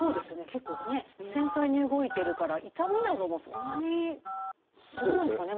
結構繊細に動いてるから痛みなどもそんなにどうなんですかね？